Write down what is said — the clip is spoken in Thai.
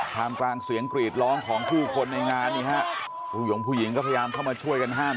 มกลางเสียงกรีดร้องของผู้คนในงานนี่ฮะผู้หยงผู้หญิงก็พยายามเข้ามาช่วยกันห้าม